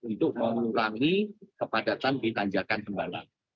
untuk mengurangi kepadatan di tanjakan tembalang